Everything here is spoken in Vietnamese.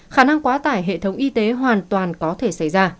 khả năng quá tải hệ thống y tế hoàn toàn có thể xảy ra